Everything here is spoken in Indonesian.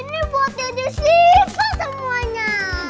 ini buat dedes siva semuanya